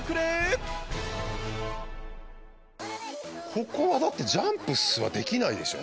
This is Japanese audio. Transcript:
ここはだってジャンプすらできないでしょ。